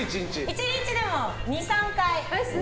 １日でも２３回。